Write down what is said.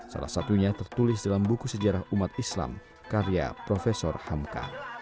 salah satunya tertulis dalam buku sejarah umat islam karya prof hamka